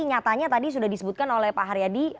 nyatanya tadi sudah disebutkan oleh pak haryadi